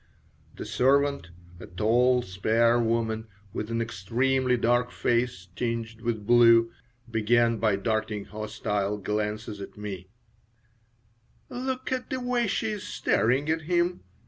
The servant, a tall, spare woman, with an extremely dark face tinged with blue, began by darting hostile glances at me "Look at the way she is staring at him!"